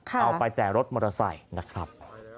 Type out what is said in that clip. เอาไปแต่รถมอเตอร์ไซค์นะครับ